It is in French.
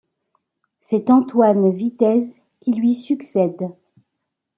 C'est Antoine Vitez qui lui succède.